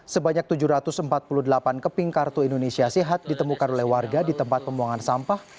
sebanyak tujuh ratus empat puluh delapan keping kartu indonesia sehat ditemukan oleh warga di tempat pembuangan sampah